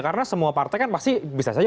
karena semua partai kan pasti bisa saja